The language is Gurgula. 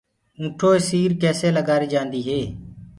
اونٺو سير ڪيسي لگآري جآندي هي